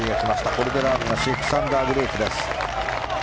これでラームが６アンダーグループです。